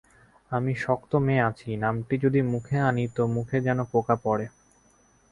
আমিও শক্ত মেয়ে আছি, নামটি যদি মুখে আনি তো মুখে যেন পোকা পড়ে।